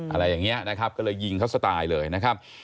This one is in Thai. อะไรอย่างนี้นะครับก็เลยยิงเขาสตายเลยนะครับ